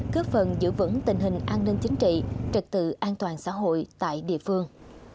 góp phần giữ vững tình hình an ninh chính trị trật tự an toàn xã hội tại địa phương